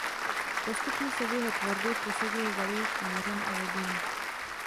Postupně se v jeho tvorbě prosadilo zaujetí mořem a loděmi.